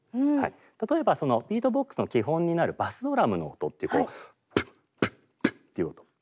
例えばビートボックスの基本になるバスドラムの音って。っていう音。